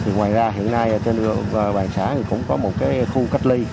ngoài ra hiện nay trên bàn xã thì cũng có một khu cách ly